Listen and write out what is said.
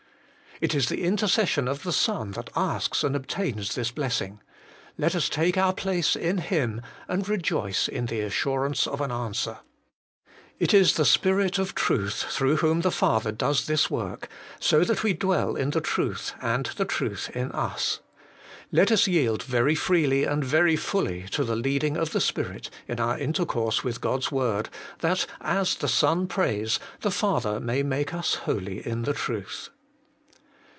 3. It is the intercession of the Son that asks and obtains this blessing : let us take our place in Him, and rejoice in the assurance of an answer. 4. It is the Spirit Of truth through whom the Father does this work, so that we dwell in the truth, and the truth in us. Let us yield very freely and very fully to the leading of the Spirit, in our intercourse with God's Word, that, as the Son prays, the Father may make us holy in the truth.